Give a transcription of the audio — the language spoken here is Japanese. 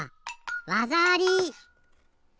わざあり！